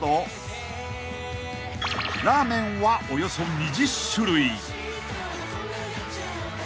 ［ラーメンはおよそ２０種類］